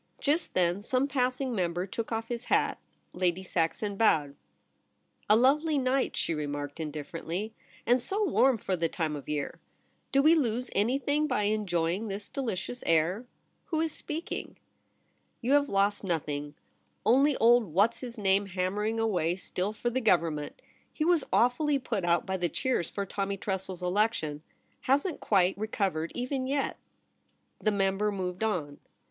Just then some passing member took off his hat. Lady Saxon bowed. ' A lovely night,' she remarked indifferently, * and so warm for the time of year ! Do we lose anything by enjoying this delicious air ? Who is speaking ?'' You have lost nothing ; only old What's his name hammering away still for the Govern ment. He was awfully put out by the cheers for Tommy Tressel's election — hasn't quite recovered even yet.' The mem.ber moved on.